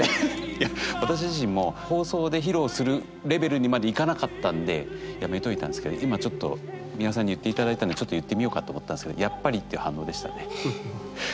いや私自身も放送で披露するレベルにまでいかなかったんでやめといたんですけど今ちょっと美輪さんに言っていただいたんで言ってみようかと思ったんですけどやっぱりっていう反応でしたね。